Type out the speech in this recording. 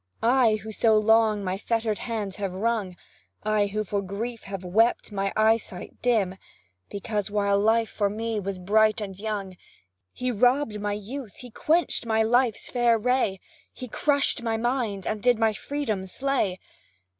I, who so long my fetter'd hands have wrung; I, who for grief have wept my eyesight dim; Because, while life for me was bright and young, He robb'd my youth he quench'd my life's fair ray He crush'd my mind, and did my freedom slay.